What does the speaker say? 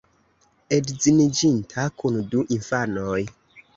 Edziniĝinta, kun du infanoj.